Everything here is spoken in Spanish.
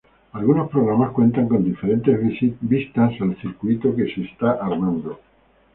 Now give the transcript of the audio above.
Algunos programas cuentan con diferentes vistas al circuito que se está armando.